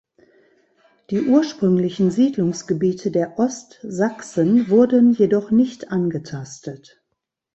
Die ursprünglichen Siedlungsgebiete der Ostsachsen wurden jedoch nicht angetastet.